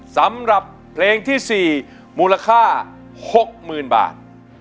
สำหรับเพลงที่๔มูลค่า๖๐๐๐บาท